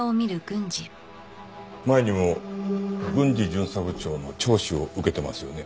前にも郡司巡査部長の聴取を受けてますよね？